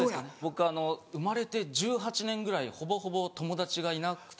僕生まれて１８年ぐらいほぼほぼ友達がいなくて。